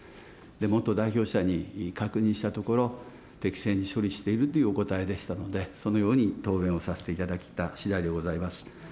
元代表者に確認したところ、適正に処理しているというお答えでしたので、そのように答弁をさせていただいたしだいでございます。